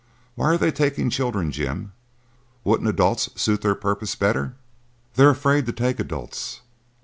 "Why are they taking children, Jim? Wouldn't adults suit their purpose better?" "They are afraid to take adults.